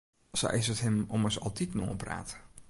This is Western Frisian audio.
Sa is it him ommers altiten oanpraat.